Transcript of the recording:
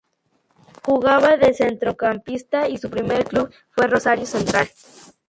Jugaba de centrocampista y su primer club fue Rosario Central.